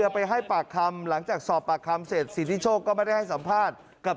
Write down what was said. พี่สามารถใช้นิชย์แจงได้เลยครับ